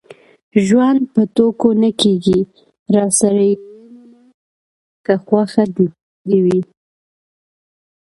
ژوند په ټوکو نه کېږي. راسره ويې منه که خوښه دې وي.